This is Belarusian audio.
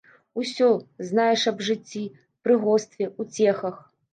Усё, знаеш, аб жыцці, прыгостве, уцехах.